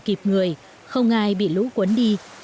kịp người không ai bị lũ cuốn đi